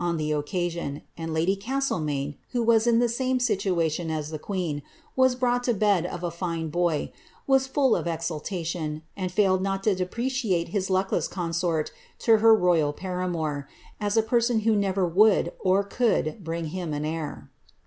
on the occasion, and lady Castlemaine, who was in the same situa tion as tlie queen, and was brought to bed of a fine boy, was full of exultation, and failed not to depreciate his luckless consort to her royal paramour, as a person who never would or could bring him an heir.